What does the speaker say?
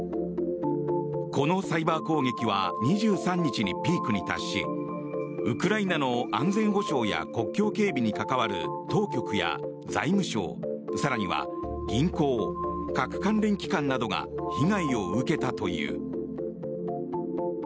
このサイバー攻撃は２３日にピークに達しウクライナの安全保障や国境警備に関わる当局や財務省更には銀行、核関連機関などが被害を受けたという。